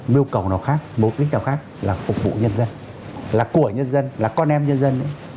mưu cầu nào khác mục đích nào khác là phục vụ nhân dân là của nhân dân là con em nhân dân nữa